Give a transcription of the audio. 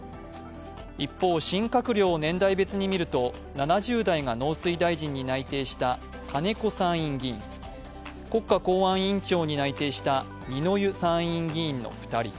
一方、新閣僚を年代別にみると７０代が農水大臣に内定した金子参院議員、国家公安委員長に内定して二之湯参院議員の２人。